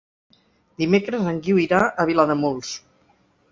Dimecres en Guiu irà a Vilademuls.